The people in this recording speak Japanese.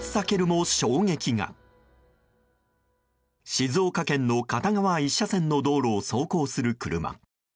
静岡県の片側１車線の道路を走行する車。